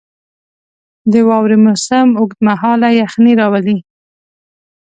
• د واورې موسم اوږد مهاله یخني راولي.